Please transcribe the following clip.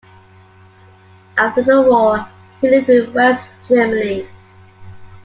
After the war, he lived in West Germany.